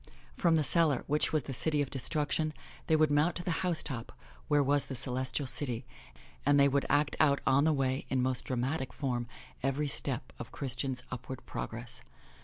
From the cellar, which was the City of Destruction, they would mount to the housetop where was the Celestial City, and they would act out on the way, in most dramatic form, every step of Christian's upward progress.